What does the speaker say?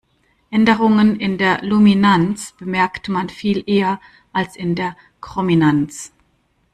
Änderungen in der Luminanz bemerkt man viel eher als in der Chrominanz.